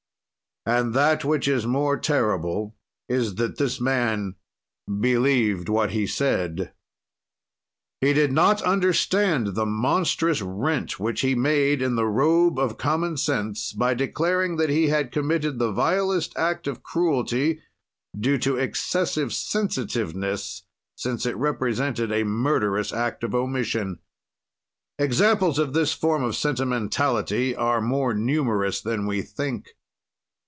And that which is more terrible is that this man believed what he said. He did not understand the monstrous rent which he made in the robe of common sense, by declaring that he had committed the vilest act of cruelty due to excessive sensitiveness since it represented a murderous act of omission. Examples of this form of sentimentality are more numerous than we think.